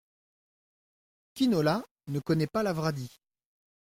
Quinola ne connaît pas Lavradi.